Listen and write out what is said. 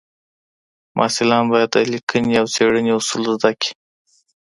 محصلان باید د لیکنې او څېړنې اصول زده کړي.